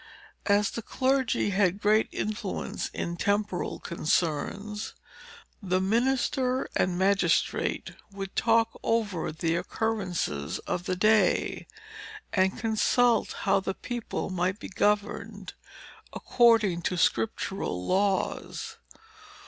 As the clergy had great influence in temporal concerns, the minister and magistrate would talk over the occurrences of the day, and consult how the people might be governed according to scriptural laws.